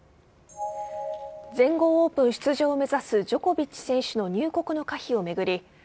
全豪オープン出場を目指すジョコビッチ選手の入国の可否を巡り